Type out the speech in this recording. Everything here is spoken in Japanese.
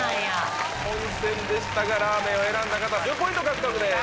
混戦でしたがラーメンを選んだ方１０ポイント獲得です。